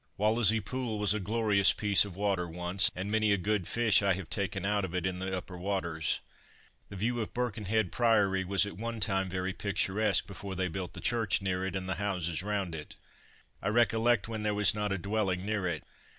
Wallasey Pool was a glorious piece of water once, and many a good fish I have taken out of it in the upper waters. The view of Birkenhead Priory was at one time very picturesque, before they built the church near it and the houses round it. I recollect when there was not a dwelling near it.